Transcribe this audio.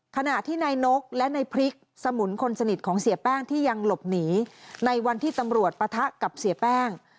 ขณะที่นายนกและในพริกสมุนคนสนิทของเสียแป้งที่ยังหลบหนีในวันที่ตำรวจปะทะกับเสียแป้ง